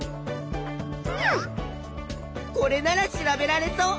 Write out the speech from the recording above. これなら調べられそう。